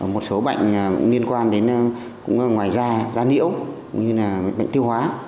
một số bệnh cũng liên quan đến ngoài da da niễu như là bệnh tiêu hóa